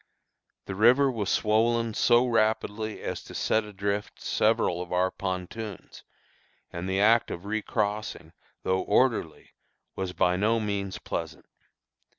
The river was swollen so rapidly as to set adrift several of our pontoons, and the act of recrossing, though orderly, was by no means pleasant.